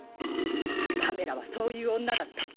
パメラはそういう女だった。